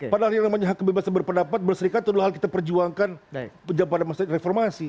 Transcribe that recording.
padahal yang namanya hakem bebas yang berpendapat berserikat itu adalah hal yang kita perjuangkan pada masa reformasi